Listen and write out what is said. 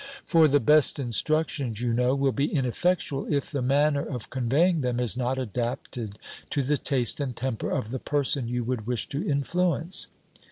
For the best instructions, you know, will be ineffectual, if the manner of conveying them is not adapted to the taste and temper of the person you would wish to influence.